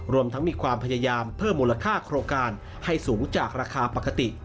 รวมทั้งมีความพยายามเพิ่มมูลค่าโครงการให้สูงจากราคาปกติ